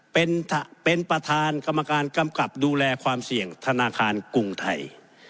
เป็นประธานกรรมการกำกับดูแลความเสี่ยงธนาคารกรุงไทย